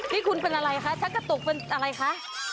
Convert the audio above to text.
นี่คุณเป็นอะไรคะชักกระตุกเป็นอะไรคะ